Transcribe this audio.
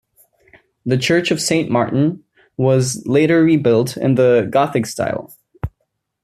The church of Saint Martin was later rebuilt in the gothic style.